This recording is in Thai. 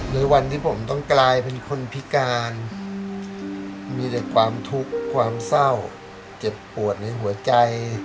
ในวันที่ผมต้องกลายเป็นคนพิการมีแต่ความทุกข์ความเศร้าเจ็บปวดในหัวใจ